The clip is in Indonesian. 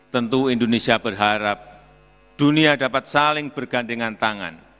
tentu indonesia berharap dunia dapat saling bergandengan tangan